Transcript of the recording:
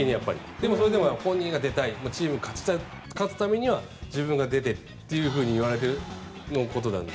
でもそれでも本人が出たいとチーム勝つためには自分が出てといわれてのことなので。